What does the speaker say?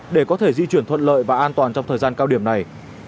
để có thể di chuyển thuận lợi và an toàn trong thời gian cao điểm này